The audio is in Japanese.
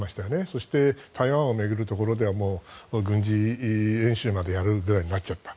そして、台湾を巡るところでは軍事演習をやるぐらいまでになっちゃった。